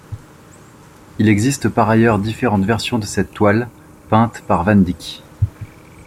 Il existe par ailleurs différentes versions de cette toile, peintes par van Dyck.